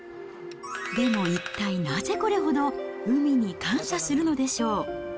でも一体なぜこれほど海に感謝するのでしょう。